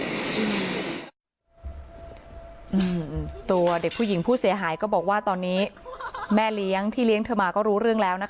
อืมตัวเด็กผู้หญิงผู้เสียหายก็บอกว่าตอนนี้แม่เลี้ยงที่เลี้ยงเธอมาก็รู้เรื่องแล้วนะคะ